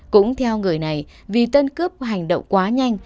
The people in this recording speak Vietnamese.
cũng theo người này vì tên cướp hành động quá nhanh